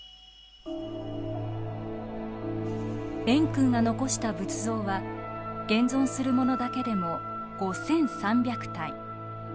円空が残した仏像は現存するものだけでも５，３００体。